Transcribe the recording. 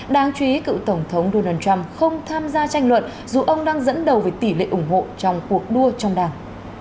đáng chú ý cựu tổng thống donald trump không tham gia tranh luận dù ông đang dẫn đầu về tỷ lệ ủng hộ trong cuộc đua trong đảng